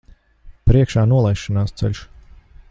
Priekšā nolaišanās ceļš.